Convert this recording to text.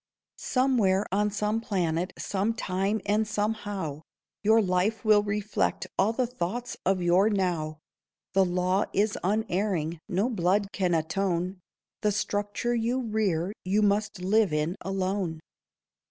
Somewhere on some planet, sometime and somehow, Your life will reflect all the thoughts of your now. The law is unerring; no blood can atone; The structure you rear you must live in alone.